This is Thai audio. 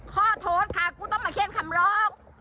โทษค่ะกูต้องมาเขียนคำร้อง